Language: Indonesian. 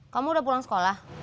kamu udah pulang sekolah